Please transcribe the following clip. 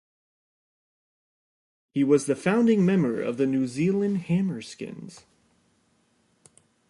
He was the founding member of the New Zealand Hammerskins.